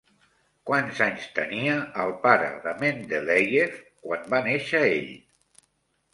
Quants anys tenia el pare de Mendeléiev quan va néixer ell?